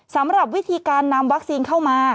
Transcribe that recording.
สำหรับวิธีการนำวัคซีนเข้ามา